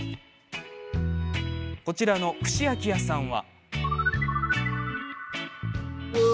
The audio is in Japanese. こちらの串焼き屋さんは？